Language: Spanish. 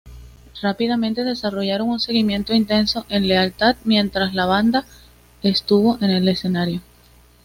Rápidamente desarrollaron un seguimiento intenso en lealtad mientras la banda estuvo en el escenario.